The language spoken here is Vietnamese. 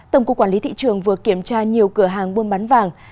tổng cụ quản lý thị trường vừa kiểm tra nhiều cửa hàng mua bán vàng